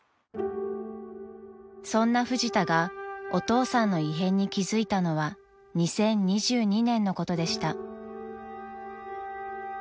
［そんなフジタがお父さんの異変に気付いたのは２０２２年のことでした］